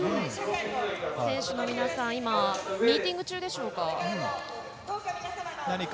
選手の皆さんミーティング中でしょうか。